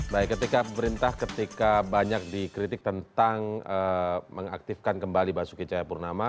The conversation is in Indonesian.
baik ketika pemerintah ketika banyak dikritik tentang mengaktifkan kembali basuki cahayapurnama